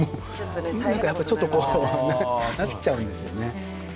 何かちょっとこうなっちゃうんですよね。